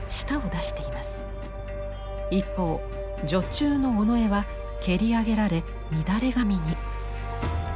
一方女中の尾上は蹴り上げられ乱れ髪に。